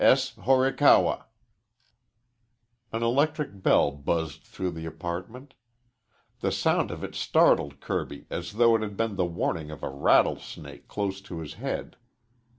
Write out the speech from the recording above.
S. HORIKAWA An electric bell buzzed through the apartment. The sound of it startled Kirby as though it had been the warning of a rattlesnake close to his head.